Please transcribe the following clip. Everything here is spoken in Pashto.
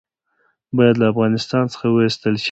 باید له افغانستان څخه وایستل شي.